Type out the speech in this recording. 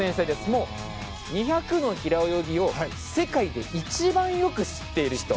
もう、２００の平泳ぎを世界で一番よく知っている人。